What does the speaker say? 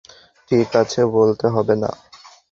ঠিক আছে, বলতে হবে না।